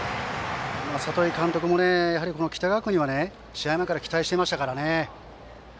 里井監督も北川君には試合の中で期待していましたから。